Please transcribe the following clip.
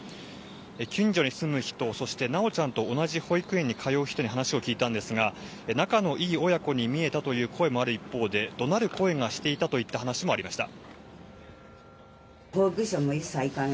近所に住む人そして、修ちゃんと同じ保育園に通う人に話を聞いたんですが仲の良い親子に見えたという声もある一方で怒鳴る声がしていたといった話もありました。